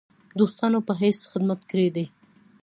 دوستانو په حیث خدمت کړی دی.